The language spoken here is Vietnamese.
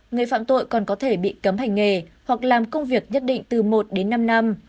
người phạm tội còn có thể bị cấm hành nghề hoặc làm công việc nhất định từ một đến năm năm